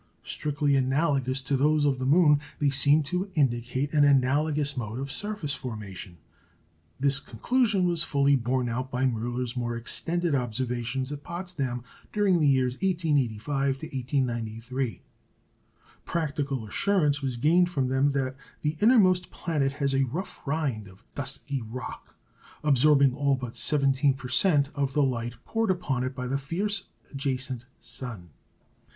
Strictly analogous to those of the moon, they seem to indicate an analogous mode of surface formation. This conclusion was fully borne out by Müller's more extended observations at Potsdam during the years 1885 1893. Practical assurance was gained from them that the innermost planet has a rough rind of dusky rock, absorbing all but 17 per cent. of the light poured upon it by the fierce adjacent sun.